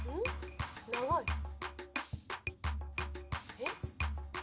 「えっ？」